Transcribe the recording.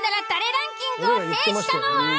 ランキングを制したのは。